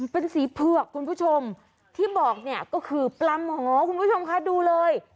เป็นสีเผือกคุณผู้ชมที่บอกเนี่ยก็คือปลาหมอคุณผู้ชมคะดูเลย